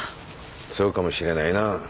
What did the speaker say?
そうかもしれないな。